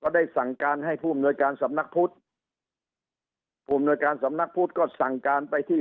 ได้สั่งการให้ผู้อำนวยการสำนักพุทธผู้อำนวยการสำนักพุทธก็สั่งการไปที่